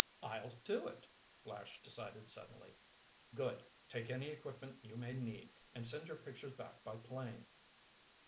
"I'll do it!" Flash decided suddenly. "Good! Take any equipment you may need, and send your pictures back by plane."